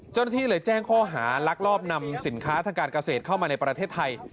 เจ้าหน้าที่เลยแจ้งข้อหารักลอบนำสินค้าทางการเกษตรเข้ามาในประเทศไทย